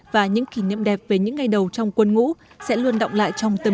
và những kỷ niệm đẹp về những ngày đầu trong quân ngũ sẽ luôn động lại trong tâm